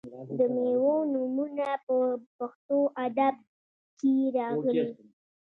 د میوو نومونه په پښتو ادب کې راغلي.